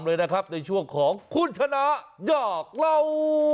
เลยนะครับในช่วงของคุณชนะอยากเล่า